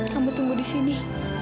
kamu tunggu di sini